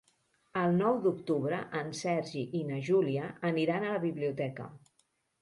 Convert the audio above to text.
El nou d'octubre en Sergi i na Júlia aniran a la biblioteca.